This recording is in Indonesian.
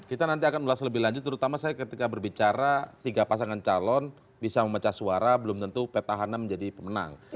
kita nanti akan ulas lebih lanjut terutama saya ketika berbicara tiga pasangan calon bisa memecah suara belum tentu petahana menjadi pemenang